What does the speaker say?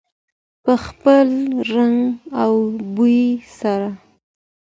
په خپل رنګ او بوی سره.